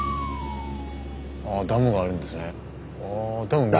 あダムがあるんですね。